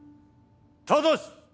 ただし！